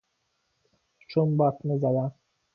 چمباتمه زدن